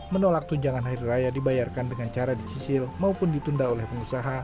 menolak tunjangan hari raya dibayarkan dengan cara dicicil maupun ditunda oleh pengusaha